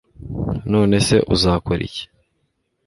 none se uzakora iki